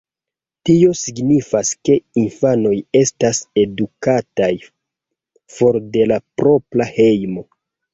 Tio signifas, ke infanoj estas edukataj for de la propra hejmo.